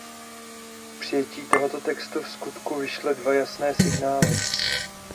Přijetí tohoto textu vskutku vyšle dva jasné signály.